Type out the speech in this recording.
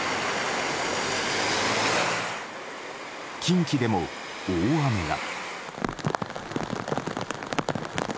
近畿でも大雨が。